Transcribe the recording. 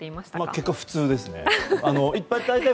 結果、普通ですね。